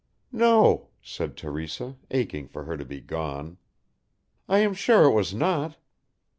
"No," said Teresa, aching for her to be gone. "I am sure it was not."